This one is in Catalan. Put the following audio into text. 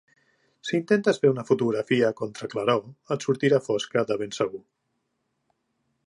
Si intentes fer una fotografia a contraclaror et sortirà fosca de ben segur.